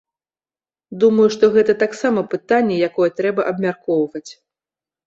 Думаю, што гэта таксама пытанне, якое трэба абмяркоўваць.